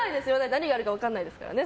何があるか分からないですからね。